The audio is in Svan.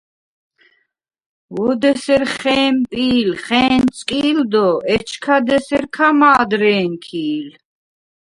ოდ’ ე̄სერ ხე̄მპი̄ლ, ხე̄ნწკი̄ლ, დო ეჩქად ესერ ქა მა̄დ რე̄ნქი̄ლ.